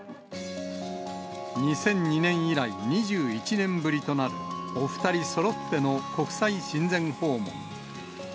２００２年以来、２１年ぶりとなる、お２人そろっての国際親善訪問。